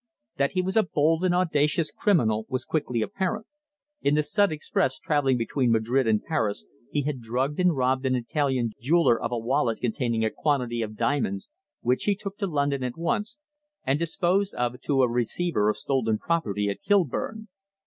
That he was a bold and audacious criminal was quickly apparent. In the Sud express travelling between Madrid and Paris he had drugged and robbed an Italian jeweller of a wallet containing a quantity of diamonds, which he took to London at once and disposed of to a receiver of stolen property at Kilburn.